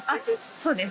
そうです。